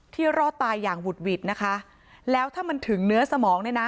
รอดตายอย่างหุดหวิดนะคะแล้วถ้ามันถึงเนื้อสมองเนี่ยนะ